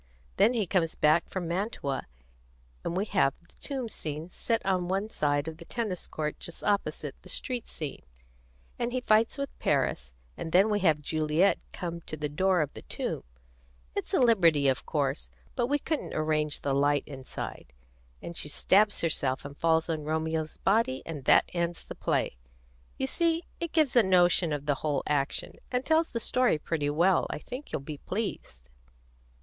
Then he comes back from Mantua, and we have the tomb scene set at one side of the tennis court just opposite the street scene; and he fights with Paris; and then we have Juliet come to the door of the tomb it's a liberty, of course; but we couldn't arrange the light inside and she stabs herself and falls on Romeo's body, and that ends the play. You see, it gives a notion of the whole action, and tells the story pretty well. I think you'll be pleased."